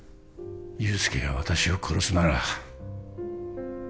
憂助が私を殺すなら